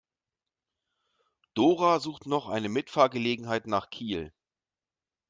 Dora sucht noch eine Mitfahrgelegenheit nach Kiel.